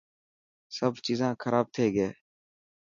سڀ چيزان خراب ٿي گئي.